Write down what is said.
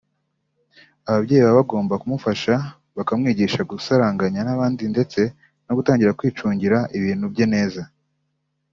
Ababyeyi baba bagomba kumufasha bakamwigisha gusaranganya n’abandi ndetse no gutangira kwicungira ibintu bye neza